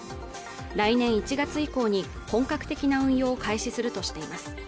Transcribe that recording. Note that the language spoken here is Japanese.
来年１月以降に本格的な運用を開始するとしています